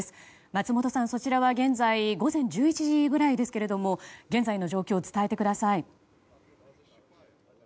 松本さん、そちらは現在午前１１時ぐらいですけども現在の状況を伝えてください。